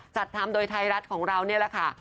จัดทำโดยไทยรัฐของเรานี่แหละค่ะ